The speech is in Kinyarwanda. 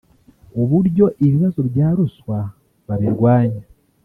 uburyo ibibazo bya ruswa babirwanya